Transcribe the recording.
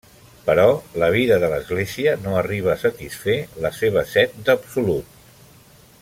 Però la vida de l'Església no arriba a satisfer la seva set d'absolut.